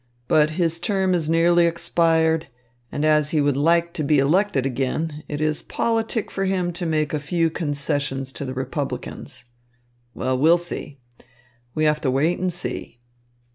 But his term is nearly expired, and as he would like to be elected again, it is politic for him to make a few concessions to the Republicans. Well, we'll see. We have to wait and see."